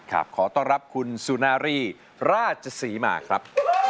ขอต้อนรับคุณสุนารีราชศรีมาครับ